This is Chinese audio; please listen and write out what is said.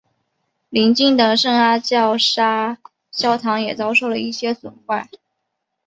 邻近的圣阿加莎教堂也遭受了一些损毁。